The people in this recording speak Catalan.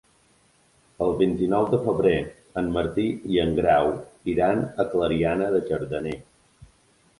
El vint-i-nou de febrer en Martí i en Grau iran a Clariana de Cardener.